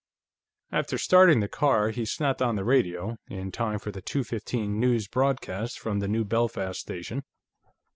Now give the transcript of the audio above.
After starting the car, he snapped on the radio, in time for the two fifteen news broadcast from the New Belfast station.